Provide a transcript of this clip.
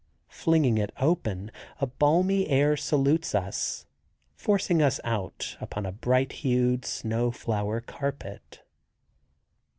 Flinging it open a balmy air salutes us, forcing us out upon a bright hued snow flower carpet.